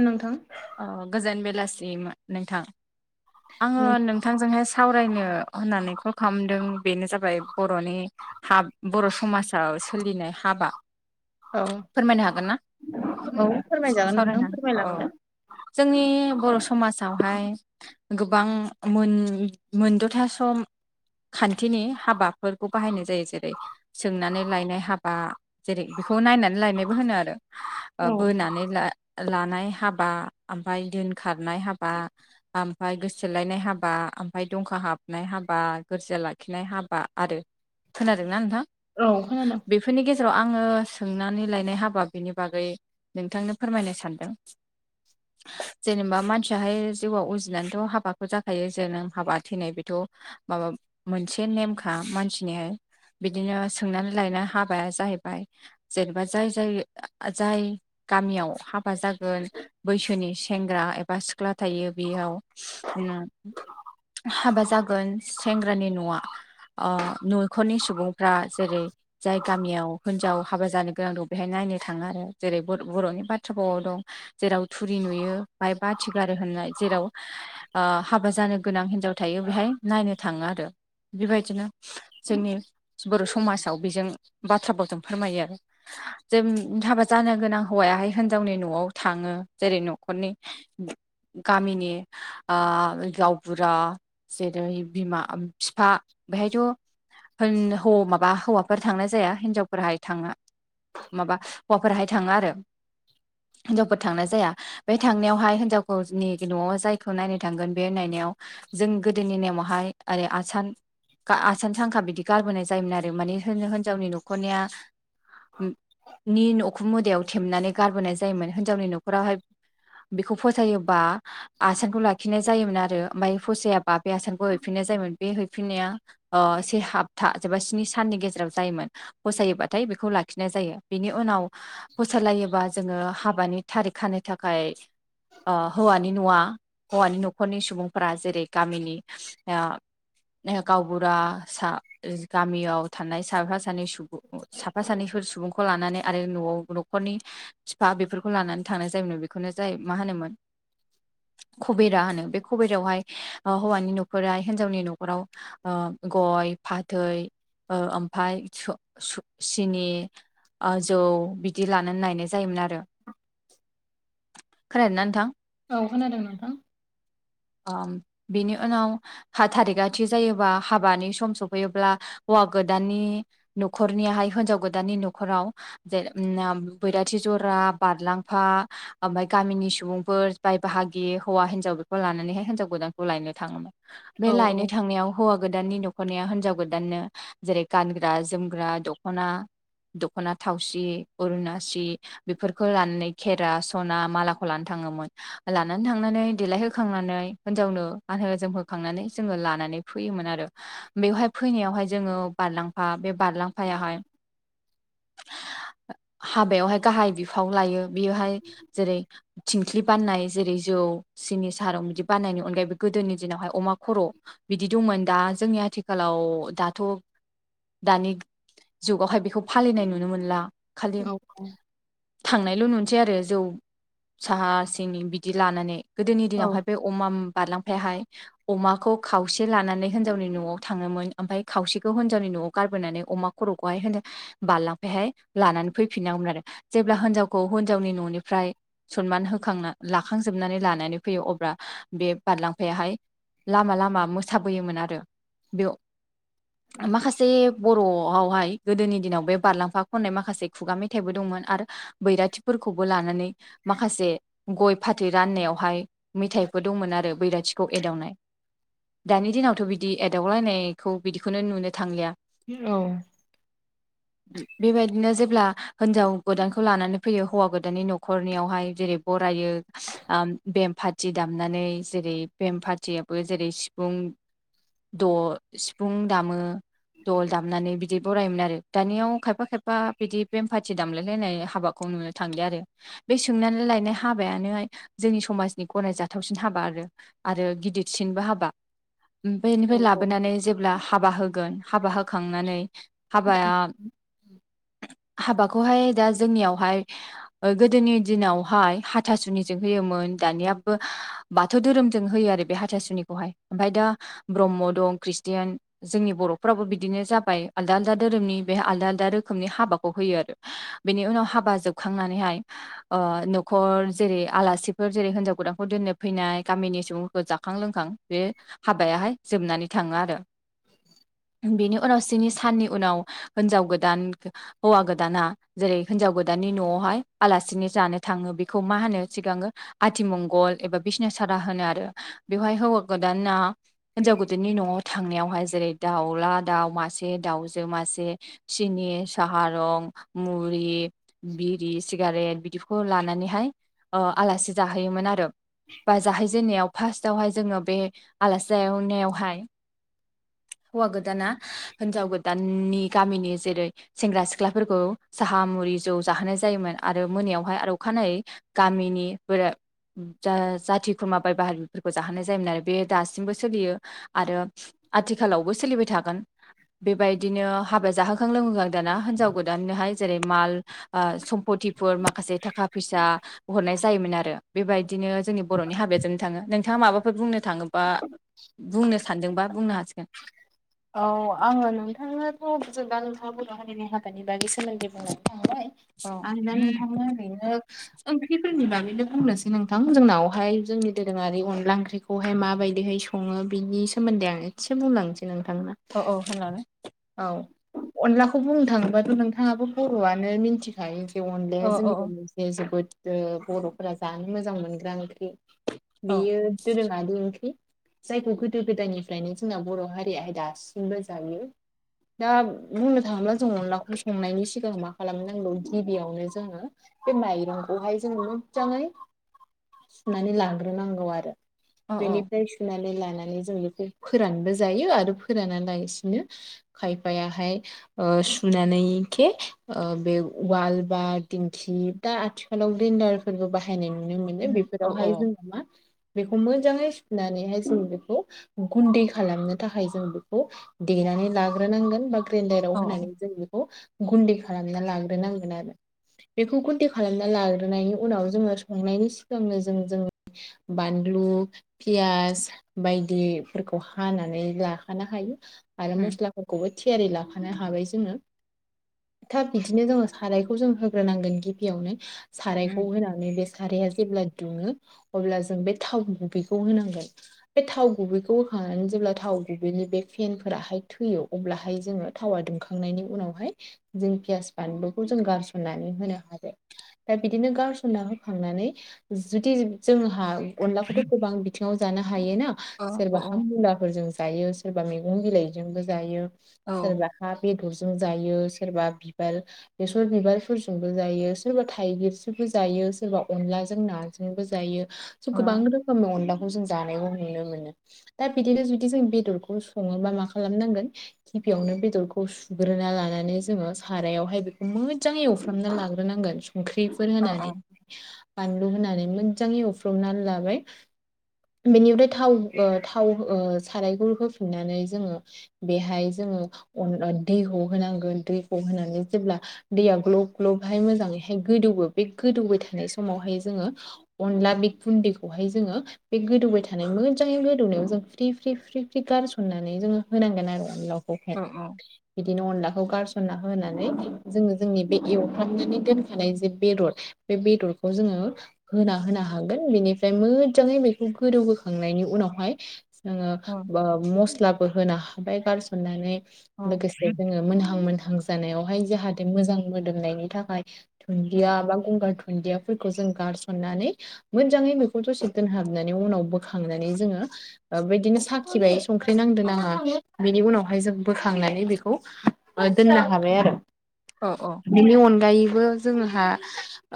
नोंथां औ गोजोन बेलासिम नोंथां आङो औ नोंथांजोंहाय सावरायनो होननानै कल खालामदों बेनो जाबाय बर'नि हा बर' समाजाव सोलिनाय हाबा फोरमायनो हागोन ना औ फोरमायजागोन नोंथां सावरायनानै अ फोरमायलांदो जोंनि बर' समाजावहाय गोबां मोन मोनद'था सम खान्थिनि हाबा फोरखौ बाहायनाय जायो जेरै सोंनानै लायनाय हाबा जेरै बेखौ नायनानै लायनायबो होनो आरो ओ औ बोनानै लानाय हाब हाबा आमफाय दोनखारनाय हाबा आमफाय गोसो थोलायनाय हाबा आमफाय दंखा हाब- नाय हाबा गोरजिया लाखिनाय हाबा आरो खोनादोंना नोंथां औ खोनादों जेराव आङो सोंनानै लायनाय हाबा बेनि बागै नोंथांनो फोरमायनो सानदों [inaudible] जेनेबा मानसियाहाय जिउआव उजिनानैथ' हाबाखौ जाखायो जे नों हाबा थैनाय बेथ' माबा मोनसे नेमखा मानसिनिहाय बिदिनो सोंनानै लायनाय हाबाया जाहैबाय जेनेबा जाय जाय जाय गामियाव हाबा जागोन बैसोनि सेंग्रा ए- बा सिख्ला थायो बेयाव उम हाबा जागोन सेंग्रानि न'आ ओ न'खरनि सुबुंफ्रा जेरै जाय गामियाव होनजाव हाबा जानो गोनां दं बेहाय नायनो थाङो आरो जेरै बर'नि बाथ्रा फावाव दं जेराव थुरि नुयो बाहाय बाथि गारो होननाय जेराव ओ हाबा जानो गोनां हिन्जाव थायो बेवहाय नायनो थाङो आरो बेबायदिनो जोंनि बर' समाजाव बेजों बाथ्रा बावजों फोरमायो आरो जों हाबा जानो गोनां हौवायाहाय होनजावनि न'आव थाङो जेरै न'खरनि गामिनि ओ गावबुरा जेरै बिमा फिफा बेहायथ' होन हौ माबा हौवाफोर थांनाय जाया हिनजावफोराहाय थाङो माबा हौवाफोराहाय थाङो आरो हिनजावफोर थांनाय जाया बे थांनायावहाय हिनजावफोरनि न'आव जायखौ नायनो थांगोन बे नायनायाव जों गोदोनि नेमावहाय ओरै आसान आसान सांखा बिदि गारबोनाय जायोमोन आरो मानि होन होनजावनि न'खर न'खनिया नि उखुम मोदायाव थेमनानै गारबोनाय जायोमोन होनजावनि न'खरावहाय बेखौ फसायोबा आसानखौ लाखिनाय जायोमोन आरो ओमफाय फसायाब बा बे आसानखौ हैफिननाय जायोमोन बे हैफिननाया ओ से हाब था जबा स्नि साननि गेजेराव जायोमोन फसायोबाथाय बेखौ लाखिनाय जायो। बिनि उनाव फोसलायोबा जोङो हाबानि थारिख खानो थाखाय हौवानि नुवा हौवानि न'खरनि सुबुंफोरा जेरै गामिनि गावबुरा सा गामियाव थानाय साफा सानै सुबुं साफा सानैफोर सुबुंखौ लानानै आरो न'आव न'खरनि बा बेफोरखौ लानानै थांनाय जायोमोन बेखौनो जाय मा होनोमोन। खबेरा होनो बे खबेरायावहाय हौवानि न'खरा हिन्जावनि न'खराव गय फाथै ओमफफ्राय सिनि जौ बिदि लानानै नायनाय जायोमोन आरो खोनादोंना नोंथां औ खोनादों नोंथां। बिनि उनाव थारिगआथि जायोबा हाबानि सम सफैयोब्ला होवा गोदान न'खरनिया हिनजाव गोदाननि न'राव बै राथि जरा बारलांफा ओमफ्राय गामिनि सुबुंफोर बाय बाहागि हौवा हिनजाव बे लानानै हिनजाव गोदानखौ लायनो थाङोमोन बे औ लायनो थांनायाव हौवा गोदाननि दख'नाया हिनजाव गोदाननो जेरै गानग्रा जोमग्रा दख'ना दख'ना थावसि अरुनासि बेफोरखौ लानानै खेरा सना मालाखौ लानानै थाङोमोन लानानै थांनानै देलायहोखांनानै हिनजाव नो गानहो जोमहोखांनानै जोङो लानानै फैयोमोन आरो बेवहाय फैनायावाय जों बारलांफा बे बारलांफायाहाय हाबायाव गाहाय बिफाव लायो। बेवहाय जेरै थिंख्लि बाननाय जेरै जौ सिनि साहारं बिदि बानायनायनि अनगायैबो गोदोनि दिनावहाय अमा खर' बिदि दंमोन दा जोंनि आथिखालाव दाथ' दानि जुगावहाय बेखौ फालिनाय नुनो मोनला खालि औ थांनायल' नुनोसै आरो जौ साहा सिनि बिदि लानानै गोदोनि औ दिनावहाय बे अमा बारलांफाहाय अमाखौ खावसे लानानै हिनजावनि न'आव थाङोमोन ओमफ्राय खावसेखौ हिजावनि न'आव गारबोनानै अमा ख'खौ बारलांहाय लानानै फैफिननांगौमोन आरो जेब्ला हिनजावखौ हिनजावनि न'निफ्राय सनमान होखांना लाखांजोबनानै लानानै फैयो अब्ला बे बारलांफाया हाय लामा लामा मोसाबोयोमोन आरो बेयाव माखासे बर'आवहाय गोदोनि दिनाव बे बारलांफा खननाय माखासे खुगा मेथाइबो दंमोन। आरो बैराथिफोरखौबो लानानै माखासे गय फाथै राननायावहाय मेथाइ बो दंमोन आरो बैराथिखौ एदावनाय दानि दिनावथ' बिदि एदावलायनायखौ बिदिखौनो नुनो थांलिया। औ बेबायदिनो जेब्ला हिनजाव गोदानखौ लानानै फैयो हौवा गोदाननि न'खरनियावहाय जेरै बरायो बेमफ फारथि दामनानै जेरै भेम फारथियाबो जेरै सिफुं द' सिफुं दामो। दल दामनानै बिदि बरायोमोन आरो दानियाव खायफा खायफा बिदि बेमफाथि दामलाय नाय हाबाखौ नुनो थांलिया आरो बे सोंनानै लायनाय हाबायानो जोंनि समाजनि गनायानाय जाथावसिन हाबा आरो गिदिरसिनबो हाबा ओमफ्राय बेनिफ्राय औ लाबोनानै जेब्ला हाबा होगोन हाबा होखांनानै हाबाया हाबाखौहाय दा जोंनियावहाय गोदोनि दिनावहाय हाथासुनिजों होयोमोन दानियाबो बाथौ धोरोमजों होयो आरो बे हाथासुनिखौहाय ओमफ्राय दा ब्रह्म दं खृष्टियान जो जोंनि बर'फोराबो बिदिनो जाबाय आलदा आलदा धोरोमनि बेहाय आलदा आलदा रोखोमनि हाबाखौ होयो आरो बेनि उनाव हाबा जोबखांनानैहाय अ न'खर जेरै आलासिफोर जेरै हिनजाव गोदानखौ दोनो दोननो फैनाय गामिनि सुबुंफोरखौ जाखां लोंखां बे हाबायाहाय जोबनानै थाङो आरो बेनो उनाव स्नि साननि उनाव हिनजाव गोदान हौवा गोदाना जेरै हिनजाव गोदाननि न'आवहाय आलासिनि जानो थाङो बेखौ मा होनो सिगाङो आथिमंगल एबा बिसनासारा होनो आरो बेवहाय हौवा गोदाना हिनजाव गोदाननि न'आव थांनायावहाय जेरै दाउला दाउ मासे दाउजो मासे सिनि साहा रं मुरि बिरि सिगारेट बिदिखौ लानानैहाय ओ आलासि जाहोयोमोन आरो बा जाहैजेननायाव फार्स्टवनो जोङो बे आलासि जानायावहाय हौवा गोदाना हिनजाव गोदाननि गामिनि जेरै सेंग्रा सिख्लाफोरखौ साहा मुरि जौ जाहोनाय जायोमोन आरो मोनायावहाय आरो अखानायै गामिनि बोरा जा जाथि खुरमा बाय बाहागिफोरखौ जाहोनाय जायोमोन आरो बे दासिमबो सोलियो आरो आथिखालावबो सोलिबाय थागोन बेबायदिनो हाबा जाहोखां लोंहोखां दाना हिनजाव गोदाननोहाय जेरै माल आ सम्पतिफोर माखासे थाखा फैसा हरनाय जायोमोन आरो बेबायदिनो जोंनि बर'नि हाबाया जोबना थाङो नों नोंथाङा माबाफोर बुंनो थाङोबा बुंनो सानदोंबा बुंनो हासिगोन औ आङो नोंथांनोथ' जों नोंथाङा बर' हारिनि हाबानि बागै सोमोनदै बुङो नालाय औ आं दा नोंथांनो ओरैनो ओं बे फोरनि बागैनो बुंनोसै नोंथां जोंनावहाय जोंनि दोरोङारि अनला ओंख्रिखौहाय माबायदिहाय सङो बिनि सोमोन्दै आं एसे बुंलांनोसै नोंथांनो औ औ होननानै औ अनलाखौ बुंनो थाङोबाथ' नोंथाङाबो बर'आनो मिनथिखायो अनला औ औ जोंनि लोगोसे जोबोद ओ बर'फोरा जानो मोजां मोनग्रा ओंख्रि औ बेयो दोरोङारि ओंख्रि जायखौ गोदो गोदायनिफ्रायनो जोंना बर' हारि रियाहाय दासिमबो जायो दा बुंनो थाङोब्ला जों अनलाखौ संनायनि सिगां मा खालामनांगौ गिबियावनो जोङो बे माइरंखौहाय जों मोजाङै सुनानै लांग्रोनांगौ आरो औ बेनिफ्राय सुनानै लानानै जों बेखौ फोरानबो जायो आरो फोराना लासिनो खायफायाहाय अ सुनानै के ओ बे उवाल बा दिंखि दा आथिखालाव ग्रिन्डार फोरबो बाहायनाय नुनो मोनो औ बेफोरावहाय जोङो मा बेखौ मोजाङै सुनानैहाय जों बेखौ गुन्दै खालामनो थाखाय जों बेखौ देनानै लाग्रोनांगोन बा ग्रेन्डाराव औ होनानै जों बेखौ गुन्दै खालामना लाग्रोनांगोन आरो बेखौ कन्टे खालामना लाग्रोनायनि उनाव जोङो संनायनि सिगांनो जों जों बानलु लु फियास बायदि फोरखौ हानानै लाखानो हायो आरो उम मस्लाफोरखौबो थियारि लाखानो हाबाय जोङो थाब बिदिनो जोङो सारायखौ जों होग्रोनांगोन गिबियावनो सारायखौ उम होनानै बे खाराया जेब्ला दुङो अब्ला जों बे थाव गुबैखौ होनांगोन बे थाव गुबैखौ बोखांनानै जेब्ला थाव बिदिनो बे फेन फोराहाय थैयो अब्लाहाय जोङो थावा दुंखांनायनि उनावहाय जों पियास बानलुखौ जों गारसननानै होनो हाबाय दा बिदिनो गारसनना होखांनानै जुदि जों जोंहा अनलाखौथ' गोबां बिथिङाव जानो हायो हायोना औ औ सोरबा हाम मुलाफोरजों जायो सोरबा मैगं बिलाइजोंबो जायो औ सोरबाहा बेदरजों जायो सोरबा बिबार बेसर बिबारफोरजोंबो जायो सोरबा थाइगिरजोबो जायो सोरबा अनलाजों नाजोंबो जायो औ गोबां रोखोमनि अनलाखौ जों जानायखौ नुनो मोनो दा बिदिनो जुदि जों बेदरखौ सङोबा जों मा खालामनांगोन गिबियावनो बेदरखौ सुग्रोना लानानै जोङो सारायावहाय बेखौ मोजाङै एवफ्रामना लाग्रोनांगोन संख्रिफोर औ औ होनानै बानलु होनानै मोजाङै एवफ्रबनानै लाबाय बेनिफ्राय अ थाव ओ थाव साराय होफिन्नानै जोङो बेहाय जोङो दैखौ होनांगोन दैखौ होनानै जेब्ला दैया ग्लब ग्लबहाय मोजाङैहाय गोदौवो बे गोदौबाय थानाय समावहाय जोङो अनला बे गुन्दैखौहाय जोङो बे गोदौबाय थानाय मोजाङै गोदौनायाव जों फ्रि फ्रि फ्रि फ्रि गारसननानै जोङो होनांगोन आरो अनलाखौहाय औ औ बिदिनो अनलाखौ गारसन सनना होनानै जोङो जोंनि बे एवफ्रामनानै दोनखानाय जे बेदर बे बेदरखौ जोङो होना होनो हागोन बेनिफ्राय मोजाङै बेखौ गोदौ होखांनायनि उनावहाय ओ मस्लाबो होनो हाबाय गारसननानै लोगोसे जोङो मोनहां मोनहां जानायावहाय जाहाथे मोजां मोदोमनायनि थाखाय दुन्दिया बा गंगार दुन्दियाफोरखौ जों गारसननानै मोजाङै बेखौ दसे दोनहाबनानै उनाव बोखांनानै जोङो बिदिनो साखिबाय संख्रि नांदों नाङा बिनि उनावहाय जों बोखांनानै बेखौ दोननो हाबाय आरो बिनि अनगायैबो जोंहा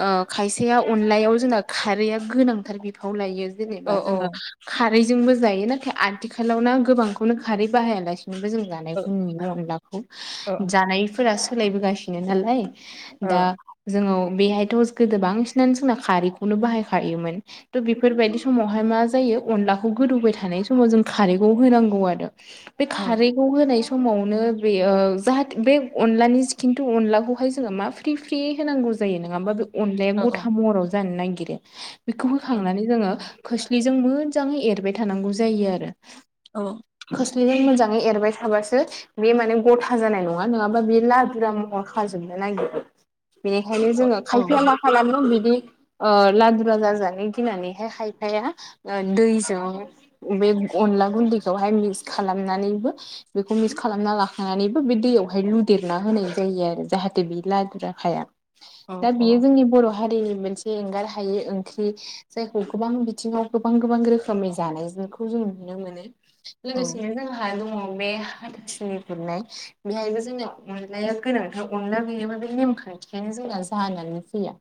ओ खायसेया अनलायाव जोंना खारैया गोनांथार बिफाव लायो जेनेबा जोङो खारैजोंबो जायो नाथाय आथिखालाव ना गोबांखौनो खारै बाहायालासे बो जों जानायखौ नुनो अनलाखौ औ जानायफोरा सोलायबोगासिनो नालाय दा जोङो बेहायथ' गोदो बांसिनानो जोंना खारैखौनो बाहायखायोमोन थह बेफोरबायदि समावहाय मा जायो अनलाखौ गोदौबाय थानाय समाव जों खारैखौ होनांगौ आरो बे खारैखौ होनाय समाव समावनो बे जाहाथे बे अनलानि खिन्थु अनलाखौहाय जोङो मा फ्रि फ्रि होनांगौ जायो नङा हा बे अनलायानो गथा महराव जानो नागिरो बेखौ होखांनानै जोङो खोस्लिजों मोजाङै एरबाय थानांगौ जायो आरो औ जों मोजाङै एरबाय थाबासो बे माने गथा जानाय नङा नङाबा बेयो लादुरा महर खाजोबनो नागिरो बेनिखायनो जोङो खायफाया मा खालामन बि ओ लादुरा जाजानो गिनानैहाय खायफाया दैजों बे अनला गुन्दैखौहाय मिक्स खालामनानैबो बेखौ मिक्स खालामना लाखांनानैबो बे बे दैयावहाय लुदेरना होनाय जायो आरो जाहाथे बे लादुराखाया दा बेयो जोंनि बर' हारि मोनसे एंगार हायि ओंख्रि जायखौ गोबां बिथिङाव गोबां गोबां रोखोमनि जानायखौ जों नुनो मोनो लोगोसेनो जोंहा दङ बे हाथसुनि खुरनाय बेहायबो जोंनिया अनलाया गोनांथार अनला गैयाबा हाबा हुखायानो जोंना जानानै फैया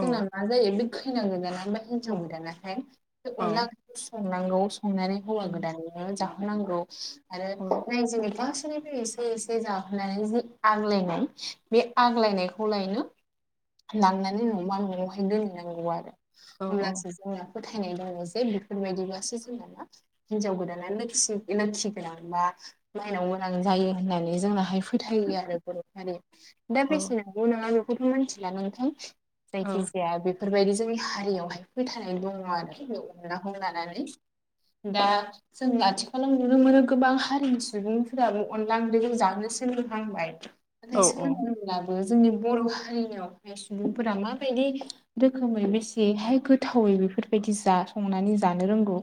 जोंना मा जायो बे खैना गोनदाना बा हिनजाव गोदानाहाय बे अनला संनांगौ संनानै हौवा गोदाननो जाहोनांगौ आरो रायजोनि बिसोरनिफ्राय एसे एसे जाहोनानै जि आग्लायनाय बे आग्लायनायखौ लायनो लांनानै न'मा न'आवहाय दोनहैनांगौ आरो अब्लासो जोंना फोथायनाय दङ जे बेफोरबायदिबासो जों ना मा हिनजाव गोदाना लोखि गोनां बा माइनाव गोनां जायो जायो होननानै जोंनाहाय फोथायो आरो बर' हारिया दा बेसेनांगौ नङा बेखौथ' मिथिला नोंथां जायखि जाया बेफोरबायदि जोंनि हारियावहाय फैथायनाय दङ आरो खौ लानानै दा जों आथिखालाव नुनो मोनो गोबां हारिनि सुबुंफोराबो अनला जों जानो सोलोंहांबाय जोंनि बर' हारिनियाव सुबुंफोरा माबायदि रोखोमै बेसेहाय गोथाव बेफोरबायदि जाथावना संनानै जानो रोंगौ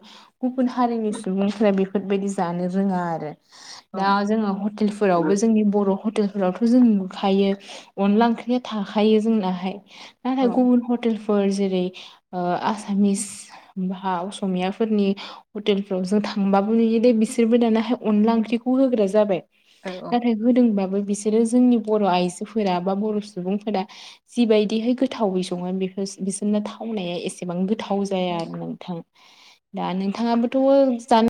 गुबुन हारिनि सुबुंफोरा बेफोरबायदि जानो रोङा आरो दा जोङो हटेलफोरावबो जोंनि बर' हटेल फोरावथ' जों नुखायो अनला ओंख्रिया थाखायो जोंनाहाय नाथाय गुबुन हटेल फोर जेरै आसामिस बा असमियाफोरनि हटेलफोराव जों थांबाबो नुयो दे बिसोरबो दानाहाय अनला ओंख्रिखौ होग्रा जाबाय नाथाय औ होदोंबाबो बिसोरो जोंनि बर' आइजोफोरा बा बर' सुबुंफोरा जिबायदिहाय गोथावै सङो बेफोर बिसोरनो थावनाया एसेबां गोथाव औ जाया आरो नोंथां दा नोंथाङाबोथ' जानो